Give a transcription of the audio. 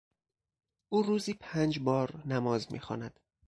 او روزی پنج بار نماز میخواند.